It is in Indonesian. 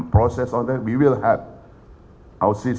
prosesnya kami akan memiliki